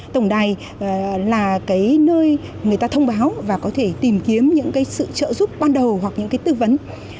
tổng đài là nơi người ta thông báo và có thể tìm kiếm những sự trợ giúp ban đầu hoặc những tư vấn